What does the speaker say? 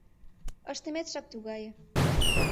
Ыштыметшак тугае.